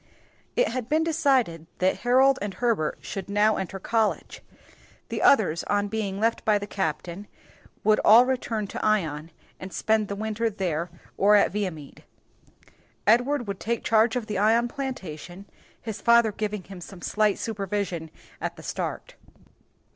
It had been decided that Harold and Herbert should now enter college. The others, on being left by the captain, would all return to Ion and spend the winter there or at Viamede. Edward would take charge of the Ion plantation, his grandfather giving him some slight supervision at the start.